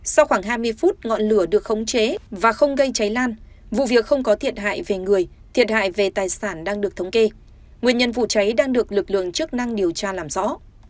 sau khoảng hai mươi phút ngọn lửa được khống chế và không gây cháy lan vụ việc không có thiệt hại về người thiệt hại về tài sản đang được thống kê nguyên nhân vụ cháy đang được lực lượng chức năng điều tra làm rõ